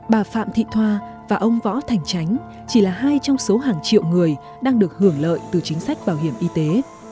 bà phạm thị thoa và ông võ thành chánh chỉ là hai trong số hàng triệu người đang được hưởng lợi từ chính sách bảo hiểm y tế